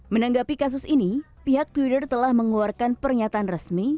menanggapi kasus ini pihak twitter telah mengeluarkan pernyataan resmi